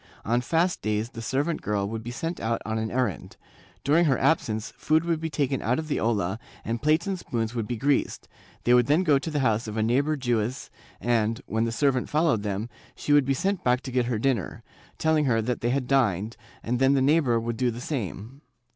On fast days the servant girl would be sent out on an errand; during her absence food would be taken out of the olla and plates and spoons would be greased, they would then go to the house of a neighbor Jewess and, when the servant followed them, she would be sent back to get her dinner, telling her that they had dined, and then the neigh bor would do the same.